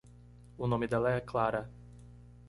O nome dela é Clara.